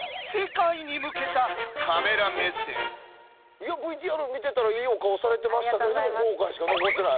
いやＶＴＲ見てたらいいお顔されてましたけれども後悔しか残ってない。